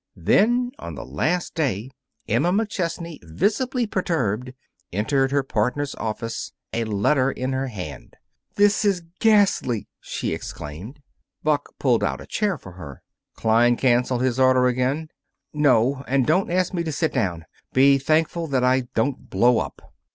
Then, on the last day, Emma McChesney, visibly perturbed, entered her partner's office, a letter in her hand. "This is ghastly!" she exclaimed. Buck pulled out a chair for her. "Klein cancel his order again?" "No. And don't ask me to sit down. Be thankful that I don't blow up."